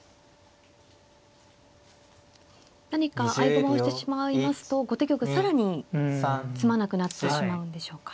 何か合駒をしてしまいますと後手玉更に詰まなくなってしまうんでしょうか。